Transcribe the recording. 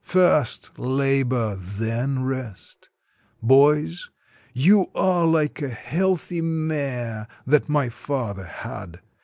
First labor, then rest! Boys, you are like a healthy mare that my father had.